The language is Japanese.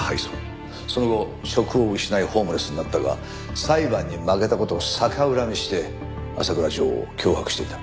その後職を失いホームレスになったが裁判に負けた事を逆恨みして浅倉譲を脅迫していた。